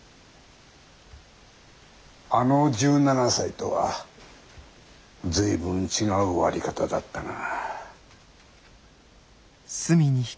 あの１７才とは随分違う終わり方だったが。